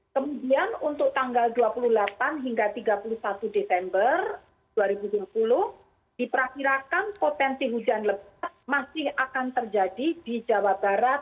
kemudian untuk tanggal dua puluh delapan hingga tiga puluh satu desember dua ribu dua puluh diperkirakan potensi hujan lebat masih akan terjadi di jawa barat